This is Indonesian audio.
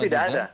oh tidak ada